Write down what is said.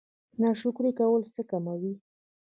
ناشکري کول څه کموي؟